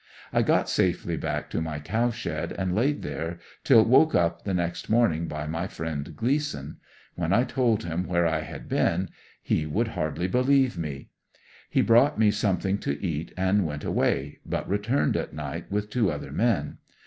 I got safely back to my cowshed and laid there till woke up the next morning by my friend Gleason. When I told him where I had been he would hardly believe me. ^^"^^ He brought me some thing to eat and went away, but returned at night with two other men.